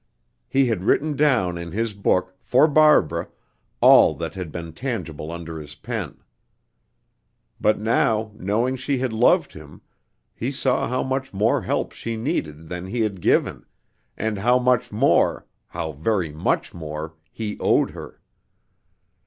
He had written down in his book, for Barbara, all that had been tangible under his pen. But now, knowing she had loved him, he saw how much more help she needed than he had given, and how much more how very much more he owed her.